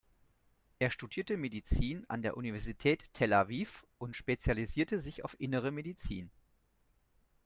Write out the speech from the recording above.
Er studierte Medizin an der Universität Tel Aviv und spezialisierte sich auf Innere Medizin.